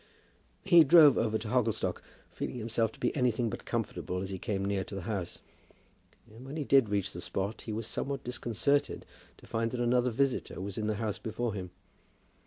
He drove over to Hogglestock, feeling himself to be anything but comfortable as he came near to the house. And when he did reach the spot he was somewhat disconcerted to find that another visitor was in the house before him.